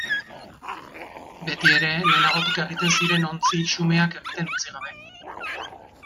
Beti ere lehenagotik egiten ziren ontzi xumeak egiten utzi gabe.